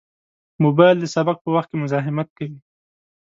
موبایل د سبق په وخت کې مزاحمت کوي.